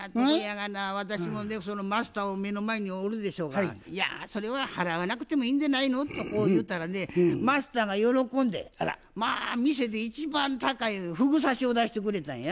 私もねそのマスターを目の前におるでしょうが「いやそれは払わなくてもいいんじゃないの」とこう言うたらねマスターが喜んでまあ店で一番高いふぐ刺しを出してくれたんや。